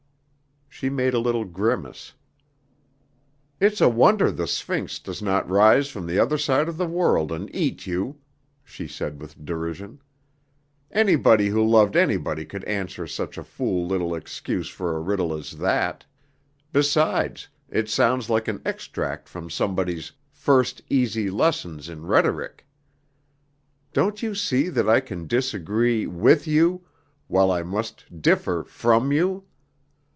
She made a little grimace. "It's a wonder the Sphinx does not rise from the other side of the world and eat you," she said with derision. "Anybody who loved anybody could answer such a poor little excuse for a riddle as that; besides, it sounds like an extract from somebody's 'First Easy Lessons in Rhetoric.' Don't you see that I can disagree with you, while I must differ from you?